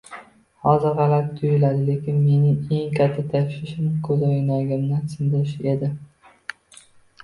Hozir g'alati tuyuladi, lekin mening eng katta tashvishim ko'zoynagimni sindirish edi